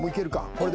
これで。